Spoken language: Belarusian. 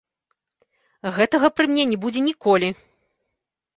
Гэтага пры мне не будзе ніколі!